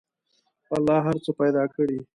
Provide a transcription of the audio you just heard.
الله هر څه پیدا کړي.